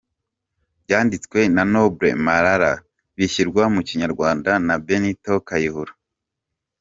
Byanditswe na Noble Marara bishyirwa mu Kinyarwanda na Benito Kayihura